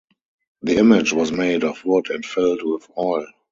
The image was made of wood and filled with oil.